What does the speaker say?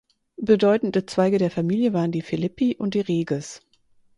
Bedeutende Zweige der Familie waren die "Philippi" und die "Reges".